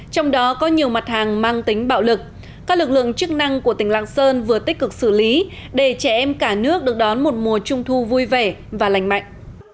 trong đó có nhiều mặt hàng mang tính bạo lực các lực lượng chức năng của tỉnh lạng sơn vừa tích cực xử lý để trẻ em cả nước được đón một mùa trung thu vui vẻ và lành mạnh